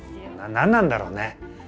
何なんだろうね？